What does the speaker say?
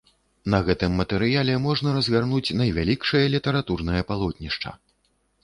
На гэтым матэрыяле можна разгарнуць найвялікшае літаратурнае палотнішча.